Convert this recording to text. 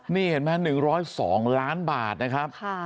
นี่เห็นไหม๑๐๒ล้านบาทนะครับ